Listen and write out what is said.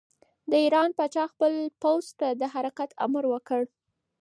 د ایران پاچا خپل پوځ ته د حرکت امر ورکړ.